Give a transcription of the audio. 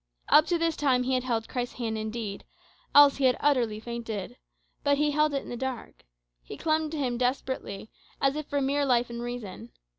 Up to this time he had held Christ's hand indeed, else had he "utterly fainted." But he held it in the dark. He clung to him desperately, as if for mere life and reason.